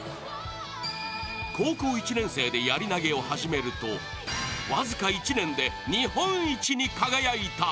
高校１年生でやり投を始めると僅か１年で、日本一に輝いた！